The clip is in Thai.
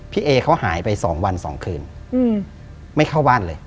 เอเขาหายไป๒วัน๒คืนไม่เข้าบ้านเลย